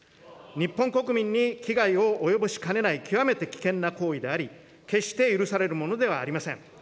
日本国民に危害を及ぼしかねない極めて危険な行為であり、決して許されるものではありません。